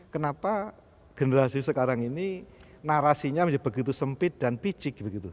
kenapa generasi sekarang ini narasinya menjadi begitu sempit dan picik begitu